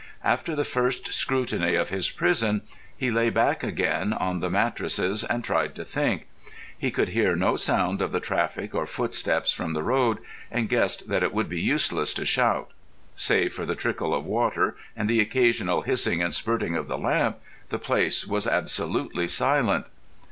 After the first scrutiny of his prison he lay back again on the mattresses and tried to think. He could hear no sound of the traffic or footsteps from the road, and guessed that it would be useless to shout. Save for the trickle of water and the occasional hissing and spurting of the lamp, the place was absolutely silent.